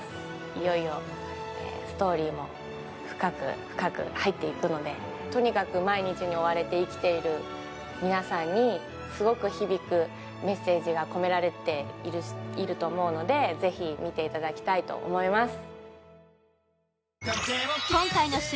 いよいよストーリーも深く深く入っていくので、とにかく毎日に追われて生きている皆さんにすごく響くメッセージが込められていると思うのでぜひ見ていただきたいと思います。